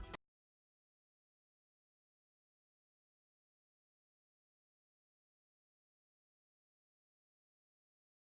terus masuk ke kabupaten poso ke kabupaten poso ke kabupaten poso